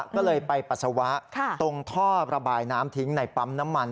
ก็เลยไปปัสสาวะตรงท่อระบายน้ำทิ้งในปั๊มน้ำมัน